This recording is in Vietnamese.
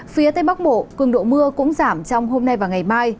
phía tây bắc bộ cường độ mưa cũng giảm trong hôm nay và ngày mai